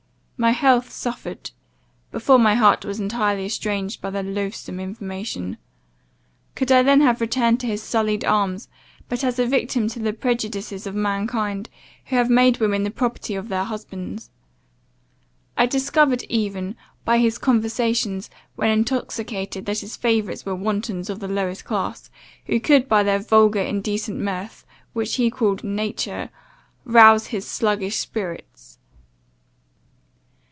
My health suffered, before my heart was entirely estranged by the loathsome information; could I then have returned to his sullied arms, but as a victim to the prejudices of mankind, who have made women the property of their husbands? I discovered even, by his conversation, when intoxicated that his favourites were wantons of the lowest class, who could by their vulgar, indecent mirth, which he called nature, rouse his sluggish spirits.